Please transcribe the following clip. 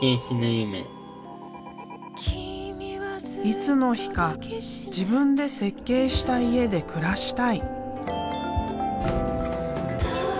いつの日か自分で設計した家で暮らしたい。